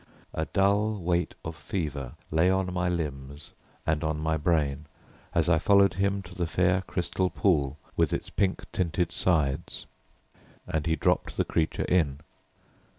A dull weight of fever lay on my limbs and on my brain as I followed him to the fair crystal pool with its pink tinted sides; and he dropped the creature in.